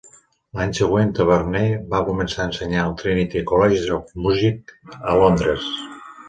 L'any següent Taverner va començar a ensenyar al Trinity College of Music a Londres.